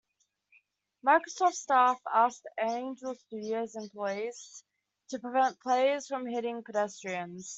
Microsoft staff asked Angel Studios employees to prevent players from hitting pedestrians.